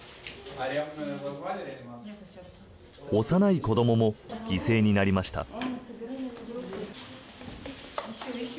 幼い子どもも犠牲になりました。